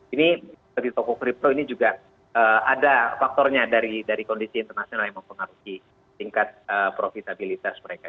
ini seperti toko kripto ini juga ada faktornya dari kondisi internasional yang mempengaruhi tingkat profitabilitas mereka